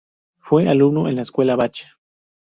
Fue alumno en la Escuela Bach.